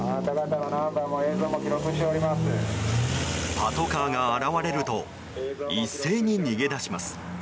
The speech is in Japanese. パトカーが現れると一斉に逃げ出します。